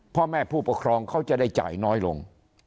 พ่อแม่ผู้ปกครองเขาจะได้จ่ายน้อยลง